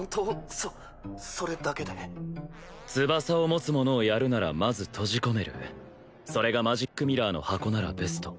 そそれだけで翼を持つ者をやるならまず閉じ込めるそれがマジックミラーの箱ならベスト